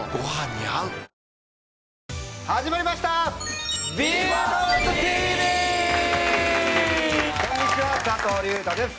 こんにちは佐藤隆太です